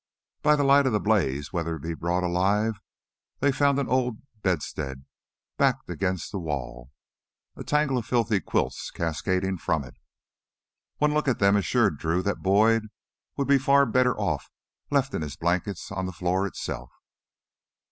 By the light of the blaze Weatherby brought alive they found an old bedstead backed against the wall, a tangle of filthy quilts cascading from it. One look at them assured Drew that Boyd would be far better left in his blankets on the floor itself.